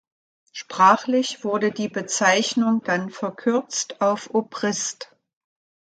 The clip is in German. Sprachlich wurde die Bezeichnung dann verkürzt auf „Obrist“.